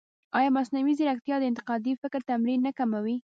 ایا مصنوعي ځیرکتیا د انتقادي فکر تمرین نه کموي؟